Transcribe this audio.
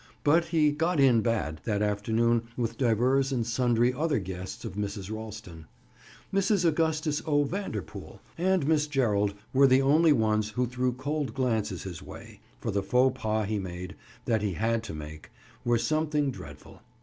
But he "got in bad" that afternoon with divers and sundry other guests of Mrs. Ralston. Mrs. Augustus O. Vanderpool and Miss Gerald weren't the only ones who threw cold glances his way, for the faux pas he made—that he had to make—were something dreadful.